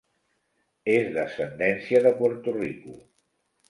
És d'ascendència de Puerto Rico.